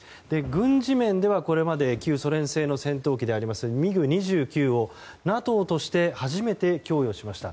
軍事面ではこれまで旧ソ連製の戦闘機であるミグ２９をＮＡＴＯとして初めて供与しました。